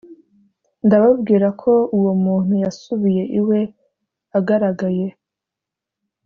ndababwira ko uwo muntu yasubiye iwe agaragaye